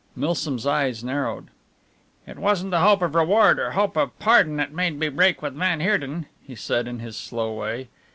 Milsom's eyes narrowed. "It wasn't the hope of reward or hope of pardon that made me break with van Heerden," he said in his slow way.